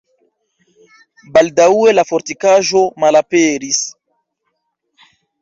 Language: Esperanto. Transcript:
Baldaŭe la fortikaĵo malaperis.